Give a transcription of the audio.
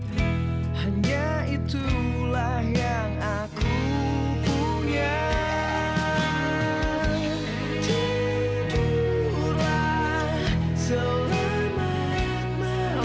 tidurlah selamat malam